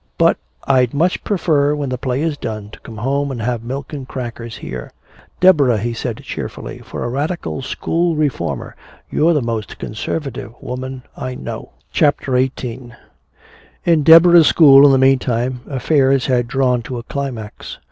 But I'd much prefer when the play is done to come home and have milk and crackers here." "Deborah," he said cheerfully, "for a radical school reformer you're the most conservative woman I know." CHAPTER XVIII In Deborah's school, in the meantime, affairs had drawn to a climax.